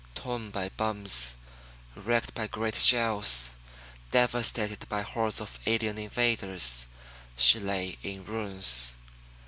Torn by bombs, wrecked by great shells, devastated by hordes of alien invaders, she lay in ruins.